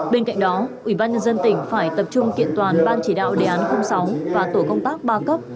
bên cạnh đó ủy ban nhân dân tỉnh phải tập trung kiện toàn ban chỉ đạo đề án sáu và tổ công tác ba cấp